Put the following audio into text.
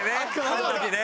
あの時ね。